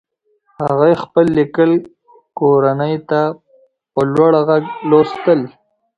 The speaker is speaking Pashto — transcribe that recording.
هغې خپل لیکل کورنۍ ته په لوړ غږ لوستل.